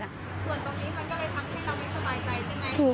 ส่วนตรงนี้มันก็เลยทำให้เราไม่สบายใจใช่ไหม